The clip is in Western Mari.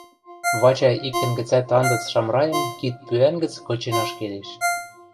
Вачай иктӹн гӹцӓт анзыц Шамрайым кидпӱӓн гӹц кычен ашкедеш.